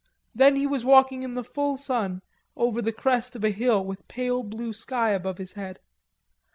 Then he was walking in the full sun over the crest of a hill with pale blue sky above his head.